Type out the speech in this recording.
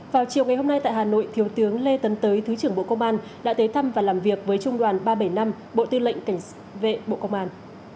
vào chiều ngày hôm nay tại hà nội thiếu tướng lê tấn tới thứ trưởng bộ công an đã tới thăm và làm việc với trung đoàn ba trăm bảy mươi năm bộ tư lệnh cảnh vệ bộ công an